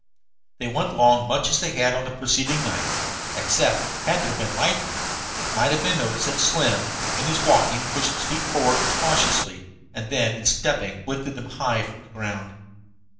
They went along much as they had on the preceding night, except, had there been light enough, it might have been noticed that Slim, in his walking, pushed his feet forward cautiously, and then in stepping lifted them high from the ground.